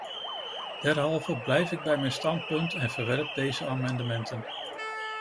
Derhalve blijf ik bij mijn standpunt en verwerp deze amendementen.